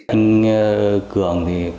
anh cường thì